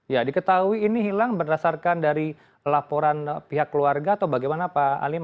ya diketahui ini hilang berdasarkan dari laporan pihak keluarga atau bagaimana pak alim